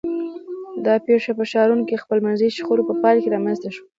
دا پېښه په ښارونو کې خپلمنځي شخړو په پایله رامنځته شوه.